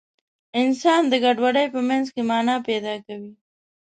انسان د ګډوډۍ په منځ کې مانا پیدا کوي.